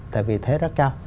tại vì thế rất cao